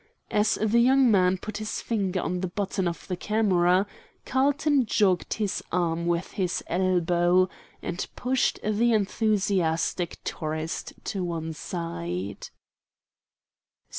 As the young man put his finger on the button of the camera, Carlton jogged his arm with his elbow, and pushed the enthusiastic tourist to one side.